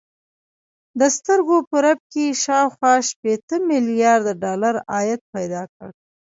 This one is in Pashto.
د سترګو په رپ کې يې شاوخوا شپېته ميليارده ډالر عايد پيدا کړ.